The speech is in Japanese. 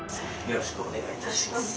よろしくお願いします。